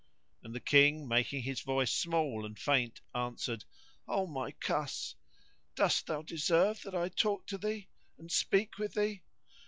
and the King making his voice small and faint answered, "O my cuss! dost thou deserve that I talk to thee and speak with thee?"